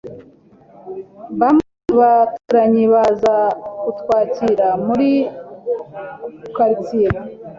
Bamwe mubaturanyi baza kutwakira muri quartier.